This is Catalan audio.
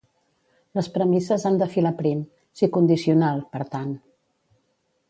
Les premisses han de filar prim; si condicional, per tant.